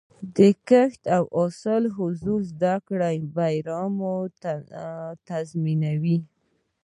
د کښت او حاصل اصول زده کړه، بریا تضمینوي.